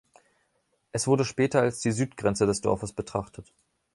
Es wurde später als die Südgrenze des Dorfes betrachtet.